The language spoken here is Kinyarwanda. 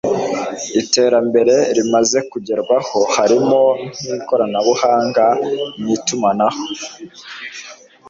iterambere rimaze kugerwaho harimo n'ikoranabuhanga mu itumanaho